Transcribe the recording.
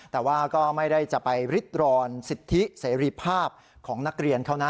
แต่ว่าก็ไม่ได้จะไปริดรอนสิทธิเสรีภาพของนักเรียนเขานะ